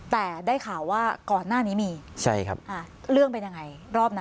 แต่ได้ข่าวว่าก่อนหน้านี้มีใช่ครับอ่าเรื่องเป็นยังไงรอบนั้น